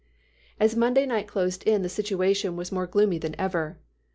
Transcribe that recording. "As Monday night closed in, the situation was more gloomy than ever.